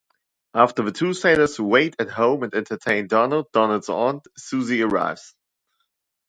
After the two sailors wait at home and entertain Donald, Donald's Aunt Susie arrives.